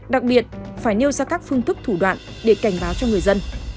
đặc biệt phải nêu ra các phương thức thủ đoạn để cảnh báo cho người dân